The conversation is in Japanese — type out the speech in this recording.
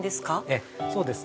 ええそうですね